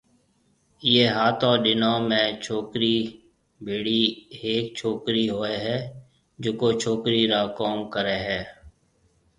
ايئيَ ھاتون ڏنون ۾ ڇوڪرِي ڀيڙِي ھيَََڪ ڇوڪرِي ھوئيَ ھيََََ جڪو ڇوڪرِي را ڪوم ڪرَي ھيََََ